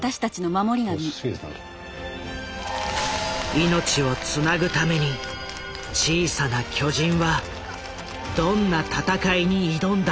命をつなぐために「小さな巨人」はどんな闘いに挑んだのか。